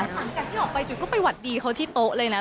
หลังจากที่ออกไปจุ๋ยก็ไปหวัดดีเขาที่โต๊ะเลยนะ